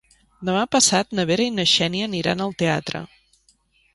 Demà passat na Vera i na Xènia aniran al teatre.